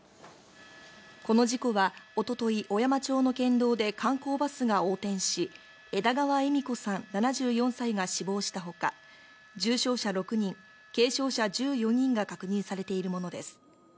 この事故は一昨日、小山町の県道で観光バスが横転し、枝川恵美子さん、７４歳が死亡したほか、重傷者６人、軽傷者１４人が確認されているものです。